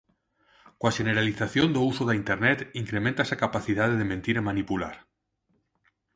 Coa xeneralización do uso da internet increméntase a capacidade de mentir e manipular.